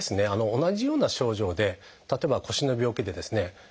同じような症状で例えば腰の病気でですね